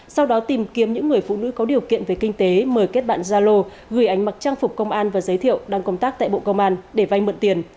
sau đó tìm kiếm những người phụ nữ có điều kiện về kinh tế mời kết bạn gia lô gửi ánh mặc trang phục công an và giới thiệu đang công tác tại bộ công an để vay mượn tiền